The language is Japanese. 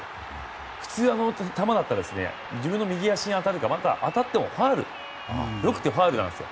普通、あの球だったら自分の右足に当たるか当たっても良くてファウルなんです。